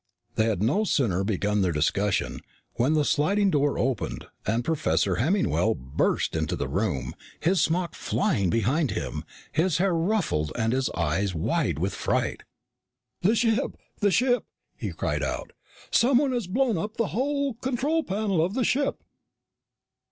They had no sooner begun their discussion when the sliding door opened and Professor Hemmingwell burst into the room, his smock flying behind him, his hair ruffled and eyes wide with fright. "The ship! The ship!" he cried out. "Someone has blown up the whole control panel of the ship!"